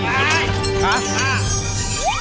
ห๊า